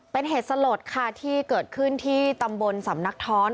เป็นเหตุสลดค่ะที่เกิดขึ้นที่ตำบลสำนักท้อน